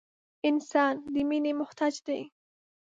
• انسان د مینې محتاج دی.